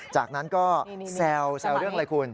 จากนั้นก็แซวเรื่องอะไรคุณ